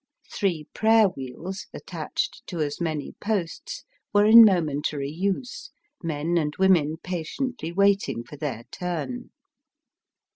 Three prayer wheels, attached to as many posts, were in momentary nse, men and women patiently waiting for their turn.